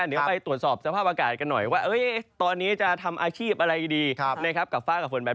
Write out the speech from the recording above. อันไงครับเป็นวันพิเศษวันนึงทำไมนะครับ